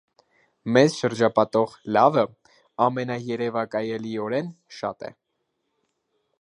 Մեզ շրջապատող «լավը» աներևակայելիորեն շատ է։